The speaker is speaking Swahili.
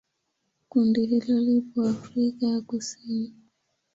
Kundi hili lipo Afrika ya Kusini.